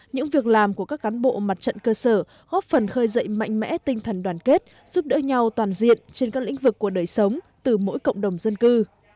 những việc làm của các cán bộ mặt trận cơ sở góp phần khơi dậy mạnh mẽ tinh thần đoàn kết giúp đỡ nhau toàn diện trên các lĩnh vực của đời sống từ mỗi cộng đồng dân cư